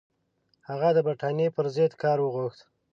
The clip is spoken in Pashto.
هغه د برټانیې پر ضد کار وغوښت.